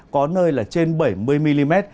có nơi là trên bảy mươi mm